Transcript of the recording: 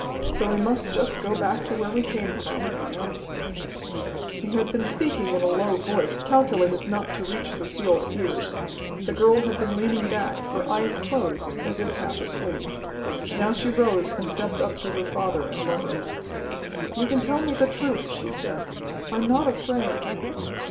So we must just go back to where we came from, and " He had been speaking in a low voice, calculated not to reach Lucille's ears. The girl had been leaning back, her eyes closed, as if half asleep. Now she rose and stepped up to her father and lover. "You can tell me the truth," she said. "I'm not afraid."